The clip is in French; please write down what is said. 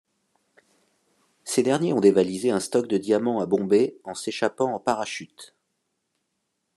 Ces derniers ont dévalisé un stock de diamants à Bombay en s'échappant en parachute.